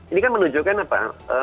ini kan menunjukkan apa